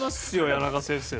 谷中先生